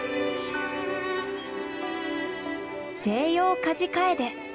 セイヨウカジカエデ。